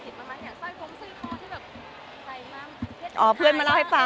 เนื้อหาดีกว่าน่ะเนื้อหาดีกว่าน่ะ